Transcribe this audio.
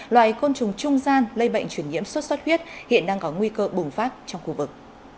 loài côn trùng trung gian lây bệnh truyền nhiễm xuất xuất huyết hiện đang có nguy cơ bùng phát trong khu vực